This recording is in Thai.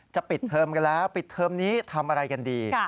ปิดเทอมกันแล้วปิดเทอมนี้ทำอะไรกันดี